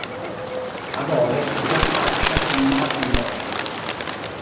Ad ovest, si affaccia sul mar Ionio.